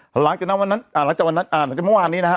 หลังจากวันนั้นหลังจากวันนั้นหลังจากเมื่อวานนี้นะฮะ